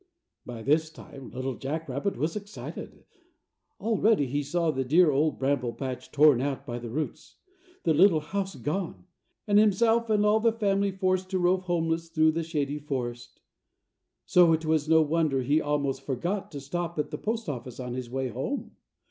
By this time Little Jack Rabbit was excited. Already he saw the dear Old Bramble Patch torn out by the roots; the little house gone, and himself and all the family forced to rove homeless through the Shady Forest. So it was no wonder he almost forgot to stop at the postoffice on his way home.